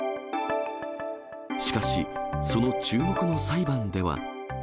しかし、その注目の裁判では。